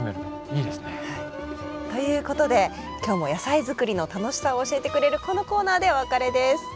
いいですね。という事で今日も野菜作りの楽しさを教えてくれるこのコーナーでお別れです。